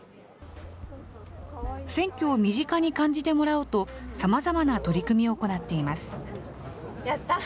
選挙を身近に感じてもらおうと、さまざまな取り組みを行っています。